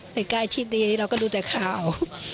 แต่ใกล้ชิดดีเราก็ดูแต่ข่าว